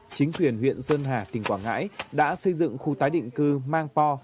chính quyền huyện sơn hà tỉnh quảng ngãi đã xây dựng khu tái định cư mang po